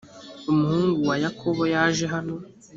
umuhungu wa yakobo yaje hano